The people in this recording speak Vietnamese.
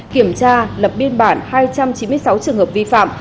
kiểm tra lập biên bản hai trăm chín mươi sáu trường hợp vi phạm